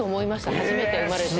初めて生まれて。